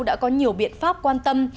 đã có nhiều biện pháp quan tâm